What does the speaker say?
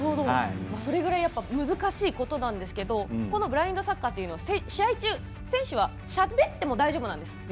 それぐらい難しいことなんですけどブラインドサッカーというのは試合中、選手はしゃべっても大丈夫なんです。